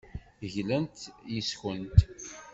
Glant yes-kent.